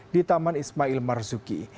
di taman ismail marzuki